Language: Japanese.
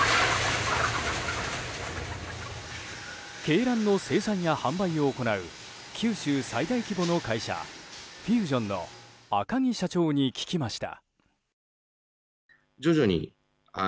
鶏卵の生産や販売を行う九州最大規模の会社フュージョンの赤木社長に聞きました。